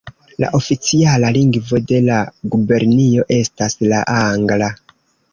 La oficiala lingvo de la gubernio estas la angla.